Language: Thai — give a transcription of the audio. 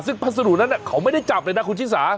ซึ่งพัสดุนั้นเขาไม่ได้จับเลยนะคุณชิสา